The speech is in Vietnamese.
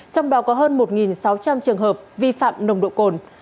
trong đó có hơn một sáu trăm linh trường hợp vi phạm nồng độ cồn